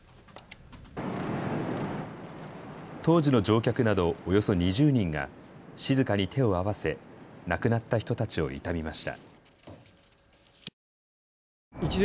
当時の乗客などおよそ２０人が静かに手を合わせ亡くなった人たちを悼みました。